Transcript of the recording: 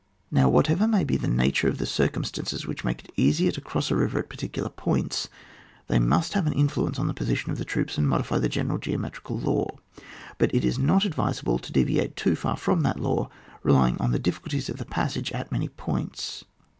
Now, whatever may be the nature of the circumstances which make it easier to cross a river at particular points, they must have an influence on £b.e position of the troops, and modify the general geometrical law ; but it is not advisable to deviate too far from that law, relying on the difficulties of the passage at many points.